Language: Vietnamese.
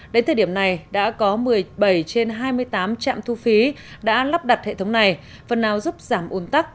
đến thời điểm này đã có một mươi bảy trên hai mươi tám trạm thu phí đã lắp đặt hệ thống này phần nào giúp giảm ôn tắc